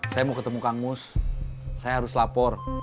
saya mau ketemu kang mus saya harus lapor